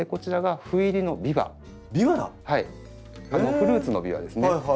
フルーツのビワですね。